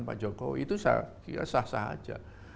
pak jokowi itu sah sah aja